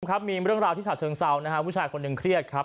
ครับมีเรื่องราวที่ฉะเชิงเซานะฮะผู้ชายคนหนึ่งเครียดครับ